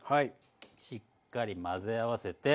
しっかり混ぜ合わせて。